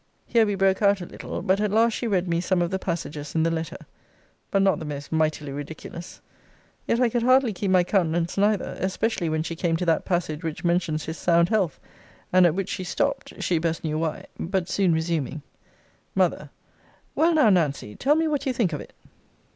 Here we broke out a little; but at last she read me some of the passages in the letter. But not the most mightily ridiculous: yet I could hardly keep my countenance neither, especially when she came to that passage which mentions his sound health; and at which she stopped; she best knew why But soon resuming: M. Well now, Nancy, tell me what you think of it.